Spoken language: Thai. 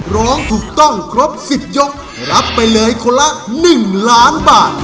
ร้องถูกต้องครบ๑๐ยกรับไปเลยคนละ๑ล้านบาท